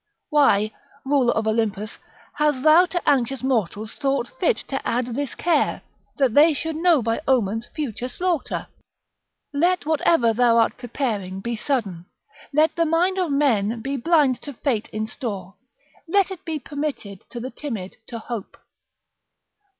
["Why, ruler of Olympus, hast thou to anxious mortals thought fit to add this care, that they should know by, omens future slaughter?... Let whatever thou art preparing be sudden. Let the mind of men be blind to fate in store; let it be permitted to the timid to hope."